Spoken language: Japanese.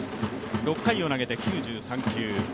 ６回を投げて９３球。